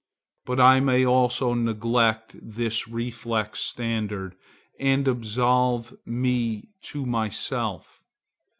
But I may also neglect this reflex standard and absolve me to myself.